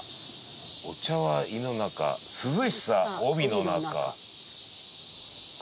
「お茶は胃の中涼しさ帯の中」